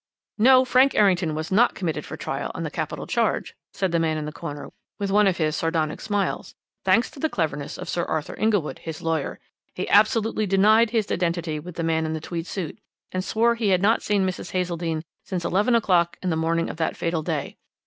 "No; Frank Errington was not committed for trial on the capital charge," said the man in the corner with one of his sardonic smiles, "thanks to the cleverness of Sir Arthur Inglewood, his lawyer. He absolutely denied his identity with the man in the tweed suit, and swore he had not seen Mrs. Hazeldene since eleven o'clock in the morning of that fatal day.